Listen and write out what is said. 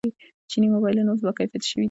چیني موبایلونه اوس باکیفیته شوي دي.